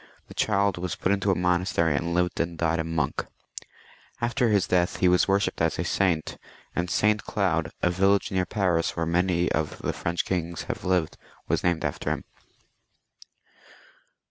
The child was put into a monas tery, and lived and died a monk. After his death he was worshipped as a saint, and St. Cloud, a village near Paris, where many of the French kings have lived, was named after him.